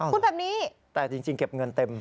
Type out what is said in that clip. พูดแบบนี้แต่จริงเก็บเงินเต็ม